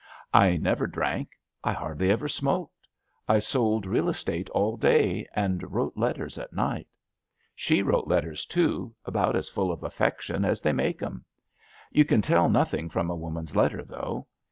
I never drank, 'I hardly ever smoked, I sold real estate* all day, and wrote letters at night. She wrote letters, too, about as full of affection as they make 'em. You can tell nothing from a woman's letter, though.